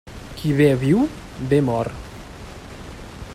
Qui bé viu, bé mor.